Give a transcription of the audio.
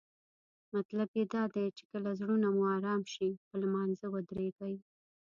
مطلب یې دا دی کله چې زړونه مو آرام شي پر لمانځه ودریږئ.